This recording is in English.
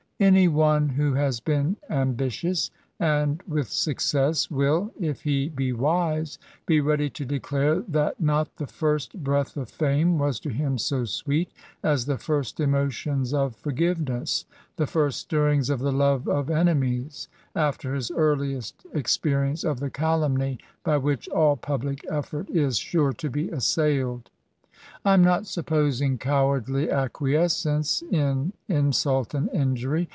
Any one who has been ambitious, and with success, will, if he be wise, be ready to declare that not the first breath of fame was to him so sweet as the first emotions of forgiveness, the first stirrings of the love of enemies, after his earliest experience of the calumny by which all public effort is sure to be assailed. I am not supposing cowardly acquiescence in insult and injury.